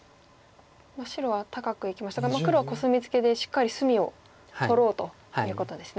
白は高くいきましたが黒はコスミツケでしっかり隅を取ろうということですね。